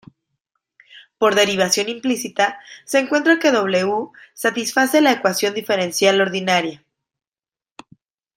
Por derivación implícita, se encuentra que "W" satisface la ecuación diferencial ordinaria.